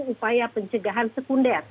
upaya pencegahan sekunder